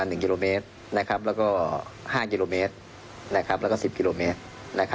อยู่ใกล้เคียง